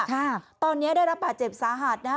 ค่ะตอนนี้ได้รับบาดเจ็บสาหัสนะฮะ